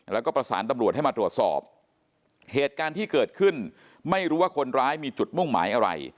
แล้วก็ประสานตำรวจให้มาตรวจสอบเหตุการณ์ที่เกิดขึ้นไม่รู้ว่าคนร้ายมีจุดมุ่งหมายอะไร